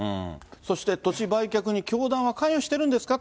そして土地売却に教団は関与してるんですか？